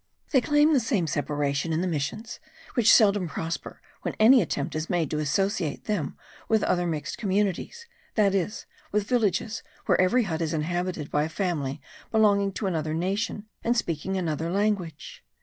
They claim the same separation in the missions, which seldom prosper when any attempt is made to associate them with other mixed communities, that is, with villages where every hut is inhabited by a family belonging to another nation and speaking another language.